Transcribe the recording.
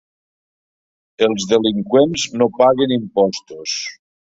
Els delinqüents no paguen impostos.